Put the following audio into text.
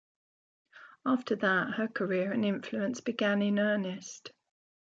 After that her career and influence began in earnest.